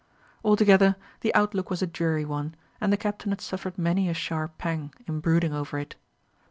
Altogether, the outlook was a dreary one, and the Captain had suffered many a sharp pang in brooding over it.